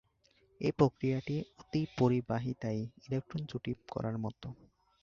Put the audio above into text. এই প্রক্রিয়াটি অতিপরিবাহিতায় ইলেক্ট্রন জুটি করার মতো।